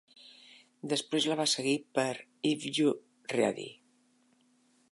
Després la va seguir per If You Ready!